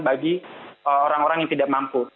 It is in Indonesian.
bagi orang orang yang tidak mampu